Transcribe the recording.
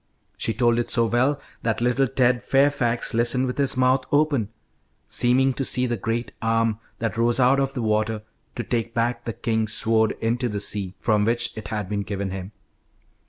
She told it so well that little Ted Fairfax listened with his mouth open, seeming to see the great arm that rose out of the water to take back the king's sword into the sea, from which it had been given him.